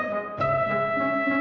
gak ada de